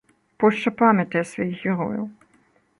Польшча памятае сваіх герояў.